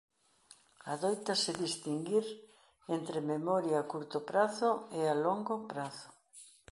Adóitase distinguir entre memoria a curto prazo e a longo prazo.